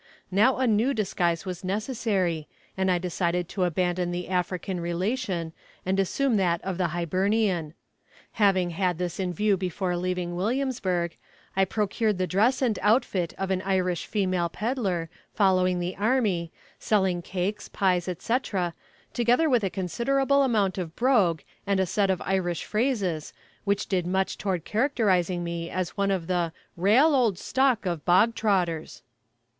Now a new disguise was necessary, and I decided to abandon the African relation, and assume that of the Hibernian. Having had this in view before leaving Williamsburg, I procured the dress and outfit of an Irish female peddler, following the army, selling cakes, pies, etc., together with a considerable amount of brogue, and a set of Irish phrases, which did much toward characterizing me as one of the "rale ould stock of bog trotters."